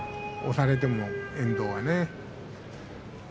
押されても、遠藤は。